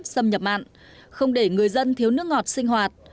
xâm nhập mặn không để người dân thiếu nước ngọt sinh hoạt